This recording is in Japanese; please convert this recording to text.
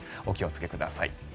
お気をつけください。